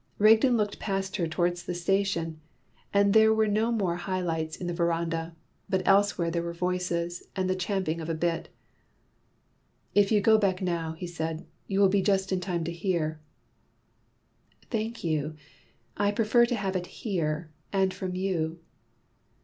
Rigden looked past her towards the station, and there were no more high lights in the verandah; but elsewhere there were voices, and the champing of a bit. "If you go back now," he said, "you will just be in time to hear." "Thank you. I prefer to have it here, and from you."